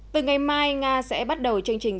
từ ngày mai nga sẽ bắt đầu chương trình tiêu chuẩn